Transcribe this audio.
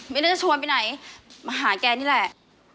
ไม่รู้จะชวนไปไหนมาหาแกนี่แหละ